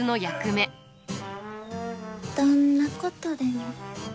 どんなことでも。